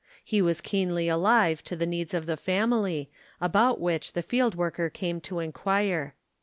He was keenly alive to the needs of the family, about which the field worker came to inquire.